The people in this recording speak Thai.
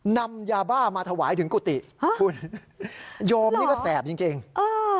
นำยาบ้ามาถวายถึงกุฏิฮะคุณโยมนี่ก็แสบจริงจริงเออ